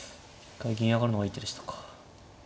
一回銀上がるのがいい手でしたか。